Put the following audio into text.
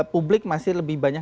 publik masih lebih banyak